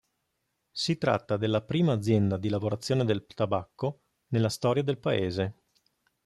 Si tratta della prima azienda di lavorazione del tabacco nella storia del paese.